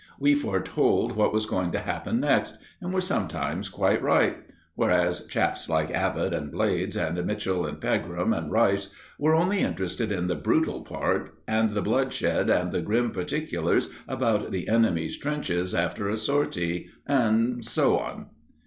We foretold what was going to happen next, and were sometimes quite right; whereas chaps like Abbott and Blades and Mitchell and Pegram and Rice were only interested in the brutal part, and the bloodshed and the grim particulars about the enemy's trenches after a sortie, and so on.